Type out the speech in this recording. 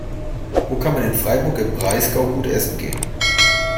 Wo kann man in Freiburg im Breisgau gut essen gehen?